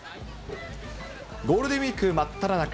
ゴールデンウィーク真っただ中。